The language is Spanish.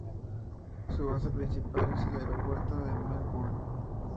Su base principal es el aeropuerto de Melbourne.